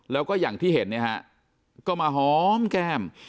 แล้วก็อย่างที่เห็นเนี่ยฮะก็มาหอมแก้ม